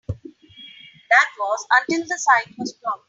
That was until the site was blocked.